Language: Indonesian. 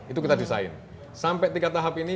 itu kita desain sampai tiga tahap ini